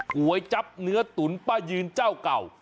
ก๋วยจับเนื้อตุ๋นป้ายืนเจ้าเก่า